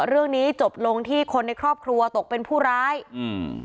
เรื่องนี้จบลงที่คนในครอบครัวตกเป็นผู้ร้ายอืม